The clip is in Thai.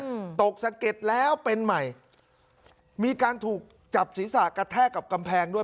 อืมตกสะเก็ดแล้วเป็นใหม่มีการถูกจับศีรษะกระแทกกับกำแพงด้วย